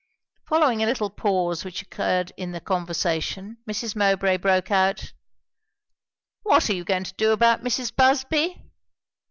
Following a little pause which occurred in the conversation, Mrs. Mowbray broke out, "What are you going to do about Mrs. Busby?"